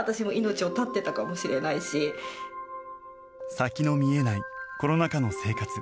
先の見えないコロナ禍の生活。